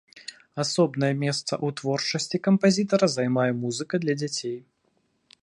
Асобнае месца ў творчасці кампазітара займае музыка для дзяцей.